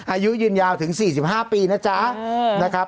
อายุยืนยาวถึง๔๕ปีนะจ๊ะ